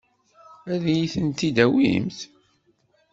Ad iyi-tent-id-tawimt?